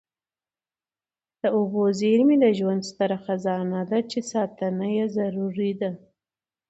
د اوبو زیرمې د ژوند ستره خزانه ده چي ساتنه یې ضروري ده.